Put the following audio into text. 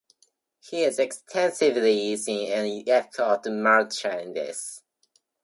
He is extensively seen in Epcot merchandise.